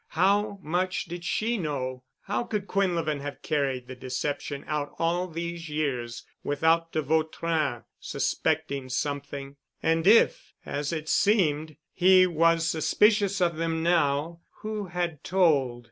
How much did she know? How could Quinlevin have carried the deception out all these years without de Vautrin suspecting something? And if, as it seemed, he was suspicious of them now, who had told?